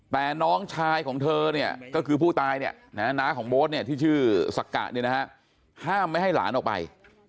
แต่น้องชายของเธอเนี่ยก็คือผู้ตายเนี่ย